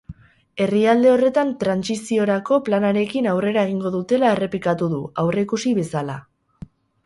Herrialde horretan trantsiziorako planarekin aurrera egingo dutela errepikatu du, aurreikusi bezala.